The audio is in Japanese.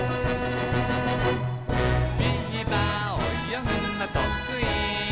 「ビーバーおよぐのとくい」